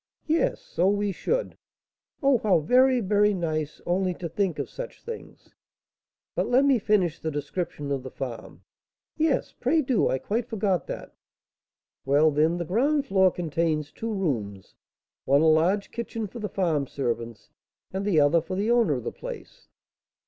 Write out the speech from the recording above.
"Yes, so we should." "Oh, how very, very nice, only to think of such things!" "But let me finish the description of the farm " "Yes, pray do! I quite forgot that." "Well, then, the ground floor contains two rooms; one, a large kitchen for the farm servants, and the other for the owner of the place."